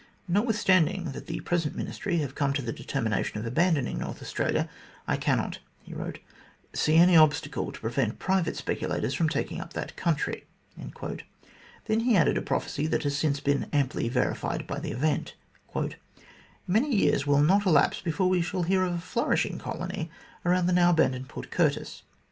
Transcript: "Notwithstanding that the present Ministry have come to the determination of abandoning North Australia, I cannot," he wrote, "see any obstacle to prevent private speculators from taking up that country." Then he added a prophecy, that has since been amply verified by the event : "Many years will not elapse before we shall hear of a nourishing colony around the now abandoned Port Curtis."